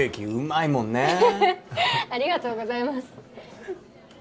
ウフフッありがとうございます。